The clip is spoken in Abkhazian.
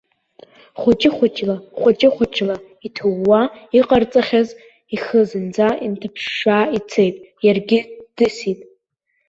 Хәыҷы-хәыҷла, хәыҷы-хәыҷла, иҭууа иҟарҵахьаз ихы зынӡа инҭыԥшша ицеит, иаргьы ддысит.